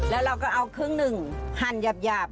แล้วเราก็เอาครึ่งหนึ่งหั่นหยาบ